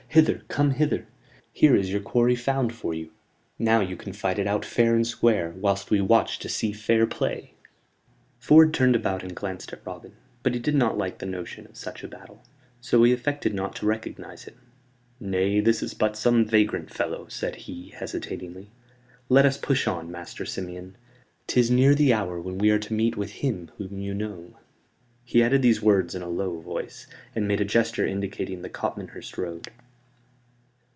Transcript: "Hither come hither! Here is your quarry found for you. Now you can fight it out, fair and square, whilst we watch to see fair play!" Ford turned about and glanced at Robin; but he did not like the notion of such a battle. So he affected not to recognize him. "Nay, this is but some vagrant fellow," said he, hesitatingly. "Let us push on, Master Simeon; 'tis near the hour when we are to meet with him whom you know." He added these words in a low voice, and made a gesture indicating the Copmanhurst road.